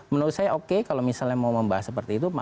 menurut saya oke kalau misalnya mau membahas seperti itu